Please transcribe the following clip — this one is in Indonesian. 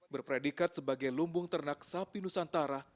berpredikat sebagai lumbung ternak sapi nusantara